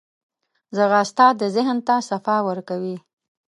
ځغاسته د ذهن ته صفا ورکوي